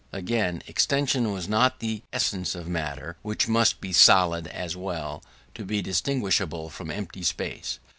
Again, extension was not the essence of matter, which must be solid as well, to be distinguishable from empty space.